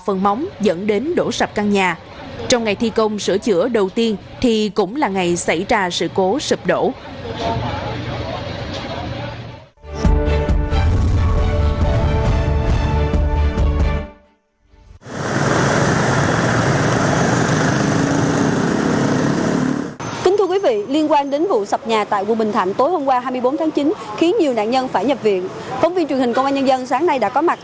phóng viên truyền hình công an nhân dân sáng nay đã có mặt